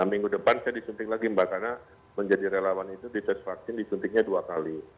minggu depan saya disuntik lagi mbak karena menjadi relawan itu dites vaksin disuntiknya dua kali